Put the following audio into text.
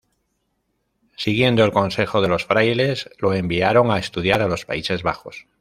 Siguiendo el consejo de los frailes, lo enviaron a estudiar a los Países Bajos.